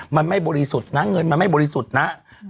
มันไม่บริสุทธิ์นะเงินมันไม่บริสุทธิ์นะ